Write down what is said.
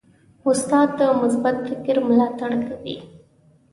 استاد د مثبت فکر ملاتړ کوي.